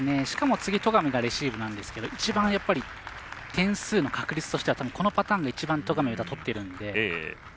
しかも、次、戸上がレシーブなんですけど一番、点数の確率としてはこのパターンが一番、戸上、宇田取ってるので。